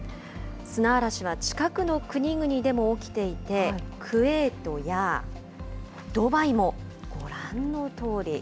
砂嵐は近くの国々でも起きていて、クウェートやドバイもご覧のとおり。